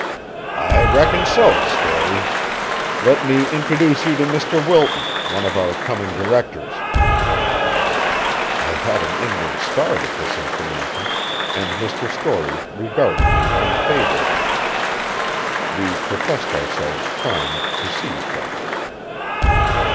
"I reckon so, Storey. Let me introduce you to Mr. Wilton, one of our coming directors." I had an inward start at this information, and Mr. Storey regarded me unfavorably. We professed ourselves charmed to see each other.